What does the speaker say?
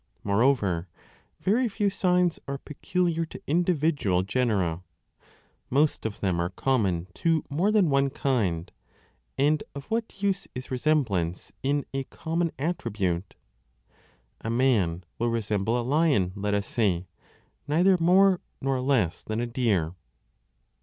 1 More over, very few signs are peculiar to individual genera ; most of them are common to more than one kind, and of what use is resemblance in a common attribute ? A man will resemble a lion, let us say, neither more nor less than a deer.